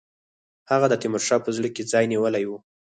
هغه د تیمورشاه په زړه کې ځای نیولی وو.